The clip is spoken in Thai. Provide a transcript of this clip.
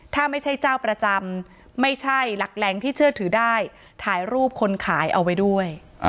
ถ้าไม่ใช่เจ้าประจำไม่ใช่หลักแหล่งที่เชื่อถือได้ถ่ายรูปคนขายเอาไว้ด้วย